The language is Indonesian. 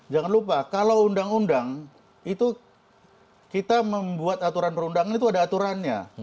jangan lupa kalau undang undang itu kita membuat aturan perundangan itu ada aturannya